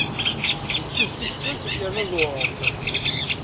D sut tissas yerna ẓewrent.